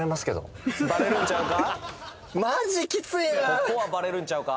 ここはバレるんちゃうか？